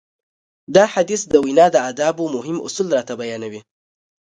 دا حديث د وينا د ادابو مهم اصول راته بيانوي.